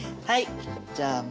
はいじゃあ